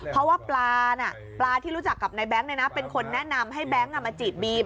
เพราะว่าปลาน่ะปลาที่รู้จักกับนายแบงค์เป็นคนแนะนำให้แบงค์มาจีบบีม